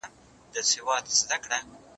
زه واښه نه راوړم!.